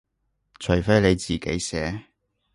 除非你自己寫